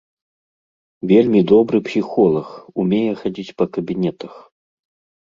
Вельмі добры псіхолаг, умее хадзіць па кабінетах.